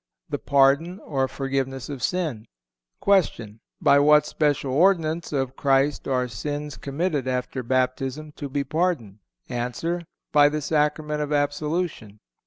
_ The pardon or forgiveness of sin. Q. By what special ordinance of Christ are sins committed after Baptism to be pardoned? A. By the sacrament of absolution.